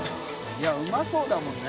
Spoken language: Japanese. いうまそうだもんね。